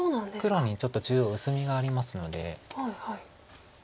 黒にちょっと中央薄みがありますので。